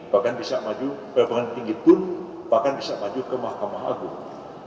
bahkan bisa maju ke mahkamah agung